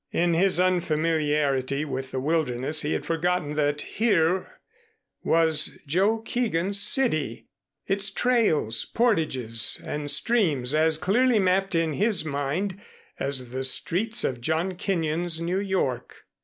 In his unfamiliarity with the wilderness he had forgotten that here was Joe Keegón's city, its trails, portages and streams as clearly mapped in his mind as the streets of John Kenyon's New York.